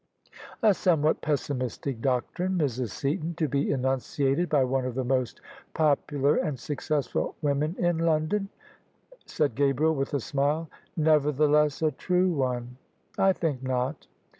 "A somewhat pessimistic doctrine, Mrs. Seaton, to be enunciated by one of the most popular and successful women in London !" said Gabriel with a smile. " Nevertheless a true one." " I think not."